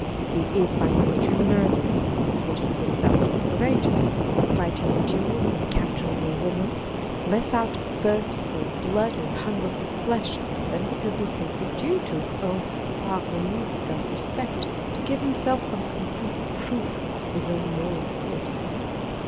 He is by nature nervous, he forces himself to be courageous, fighting a duel or capturing a woman, less out of thirst for blood or hunger for flesh, than because he thinks it due to his own parvenu self respect to give himself some concrete proof on his own moral force.